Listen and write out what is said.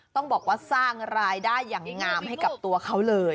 ต้องบอกว่าสร้างรายได้อย่างงามให้กับตัวเขาเลย